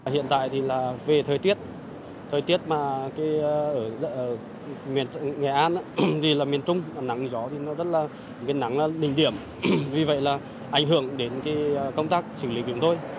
hiện tại về thời tiết thời tiết ở miền trung nắng gió rất là đỉnh điểm vì vậy là ảnh hưởng đến công tác xử lý của chúng tôi